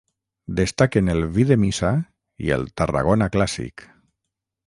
Destaquen el vi de missa i el Tarragona Clàssic.